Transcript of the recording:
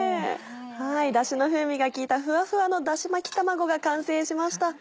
だしの風味が利いたふわふわの「だし巻き卵」が完成しました。